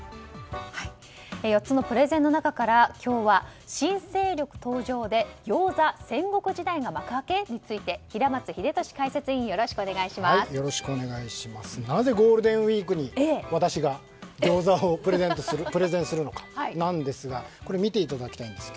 ４つのプレゼンの中から今日は新勢力登場で餃子戦国時代が幕開け？について平松解説委員なぜゴールデンウィークに私が餃子をプレゼンするのか。